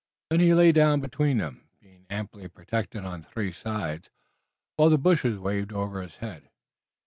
Then he lay down between them, being amply protected on three sides, while the bushes waved over his head.